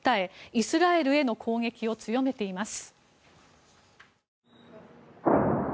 イスラエルへの攻撃を強めています。